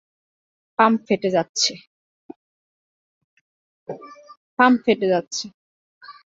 Pump ফেটে যাচ্ছে!